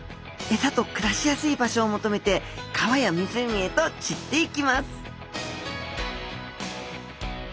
エサと暮らしやすい場所を求めて川や湖へと散っていきます